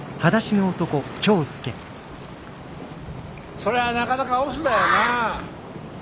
そりゃなかなか押忍だよなぁ。